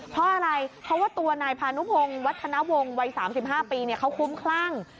เพราะอะไรเพราะว่าตัวนายพานุพงศ์วัฒนวงศ์วัย๓๕ปีเขาคุ้มคลั่ง